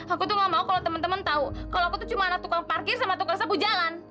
aku tuh gak mau kalo temen temen tau kalo aku tuh cuma anak tukang parkir sama tukang sabu jalan